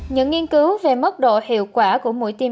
những nghiên cứu về mức độ hiệu quả của tiêm chủng tăng cường của nhật bản